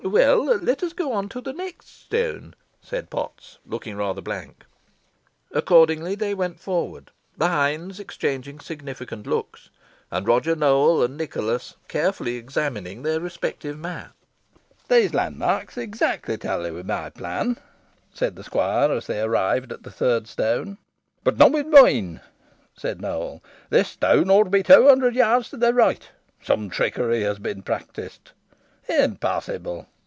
"Well, let us go on to the next stone," said Potts, looking rather blank. Accordingly they went forward, the hinds exchanging significant looks, and Roger Nowell and Nicholas carefully examining their respective maps. "These landmarks exactly tally with my plan," said the squire, as they arrived at the third stone. "But not with mine," said Nowell; "this stone ought to be two hundred yards to the right. Some trickery has been practised." "Impossible!"